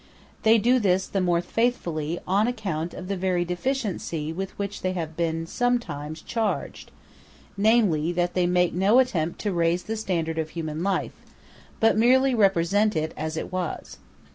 They do this the more faithfully on account of the very deficiency with which they have been sometimes charged namely, that they make no attempt to raise the standard of human life, but merely represent it as it was.